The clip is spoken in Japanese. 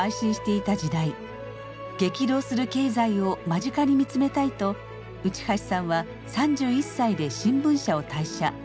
激動する経済を間近に見つめたいと内橋さんは３１歳で新聞社を退社。